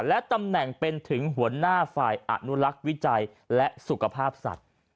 และตำแหน่งเป็นถึงหัวหน้าฝ่ายอนุลักษ์วิจัยและสุขภาพสัตว์